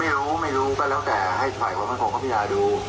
ไม่รู้ไม่รู้ก็แล้วแต่ให้ไฟฟังของพระพุทธภาพยาดู